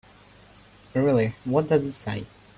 Really, what does it say?